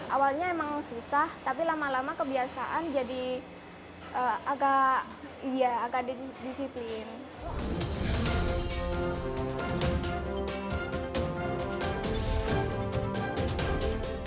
awalnya emang susah tapi lama lama kebiasaan jadi agak disiplin